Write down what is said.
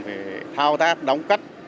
phải thao tác đóng cắt